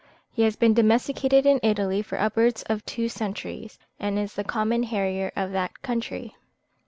He has been domesticated in Italy for upwards of two centuries, and is the common harrier of that country.